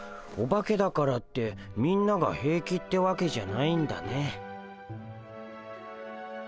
おばけだからってみんなが平気ってわけじゃないんだね。